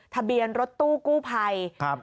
ทะเบียนรถตู้กู้ไพร